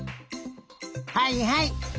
はいはい。